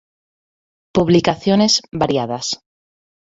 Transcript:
Publicaciones variadas.